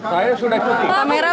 saya sudah cuti